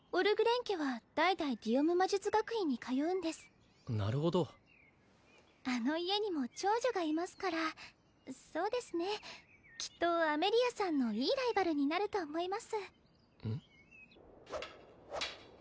家は代々ディオム魔術学院に通うんですなるほどあの家にも長女がいますからそうですねきっとアメリアさんのいいライバルになると思います